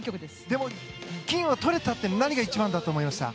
でも、金を取れたのは何が一番だと思いました？